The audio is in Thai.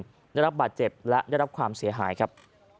ได้รับบาดเจ็บและได้รับความเสียหายครับ